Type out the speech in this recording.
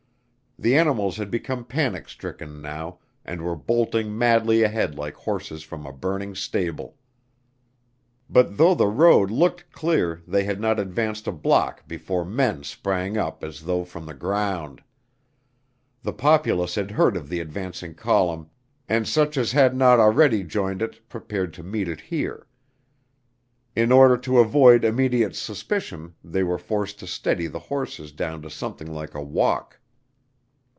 The animals had become panic stricken now and were bolting madly ahead like horses from a burning stable. But though the road looked clear they had not advanced a block before men sprang up as though from the ground. The populace had heard of the advancing column and such as had not already joined it prepared to meet it here. In order to avoid immediate suspicion, they were forced to steady the horses down to something like a walk.